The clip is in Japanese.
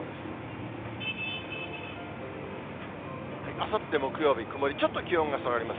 あさって木曜日、曇り、ちょっと気温が下がります。